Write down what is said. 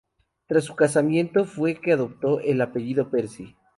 Tras su casamiento fue que adoptó el apellido Percy.